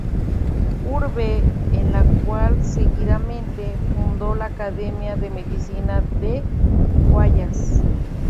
Urbe en la cual, seguidamente, fundó la Academia de Medicina del Guayas.